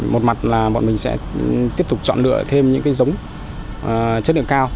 một mặt là bọn mình sẽ tiếp tục chọn lựa thêm những cái giống chất lượng cao